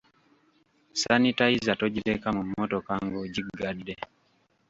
Sanitayiza togireka mu mmotoka ng’ogiggadde.